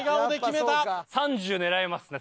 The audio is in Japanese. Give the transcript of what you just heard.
３０狙いますね